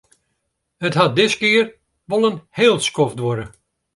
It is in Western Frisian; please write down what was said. It hat diskear wol in heel skoft duorre.